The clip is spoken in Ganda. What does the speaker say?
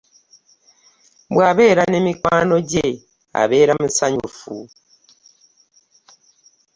Wabera ne mikwano gye abeera musanyufu.